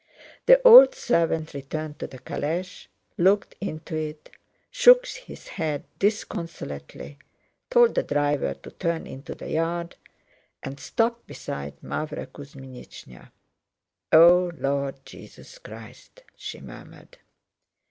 The old servant returned to the calèche, looked into it, shook his head disconsolately, told the driver to turn into the yard, and stopped beside Mávra Kuzmínichna. "O, Lord Jesus Christ!" she murmured.